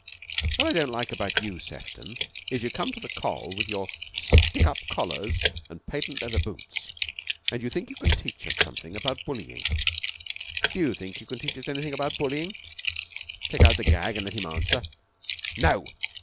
'What I don't like about you, Sefton, is, you come to the Coll. with your stick up collars an' patent leather boots, an' you think you can teach us something about bullying. Do you think you can teach us anything about bullying? Take out the gag and let him answer." "No!"